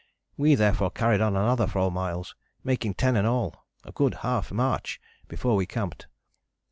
We therefore carried on another four miles, making ten in all, a good half march, before we camped.